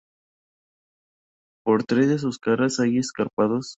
Por tres de sus caras hay escarpados rocosos que lo protegían de los asaltos.